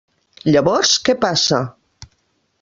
Llavors, ¿què passa?